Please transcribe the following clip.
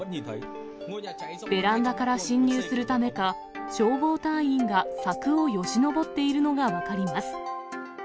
ベランダから進入するためか、消防隊員が柵をよじ登っているのが分かります。